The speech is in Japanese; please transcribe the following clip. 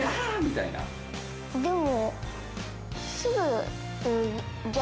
でも。